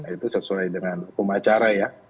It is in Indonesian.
itu sesuai dengan pemacara ya